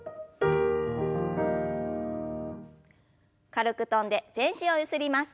軽く跳んで全身をゆすります。